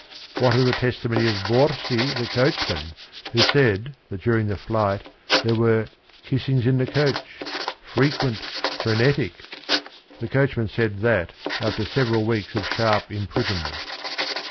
What of the testimony of Borsi the coachman who said that during the flight there were "kissings in the coach, — fre quent, frenetic"? The coachman said that after several weeks of sharp imprisonment.